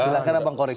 silahkan bang koreksi